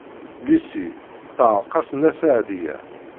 Lucy teɛreq-as Nna Seɛdiya.